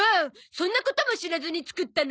そんなことも知らずに作ったの？